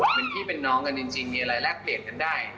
เป็นพี่เป็นน้องกันจริงมีอะไรแลกเปลี่ยนกันได้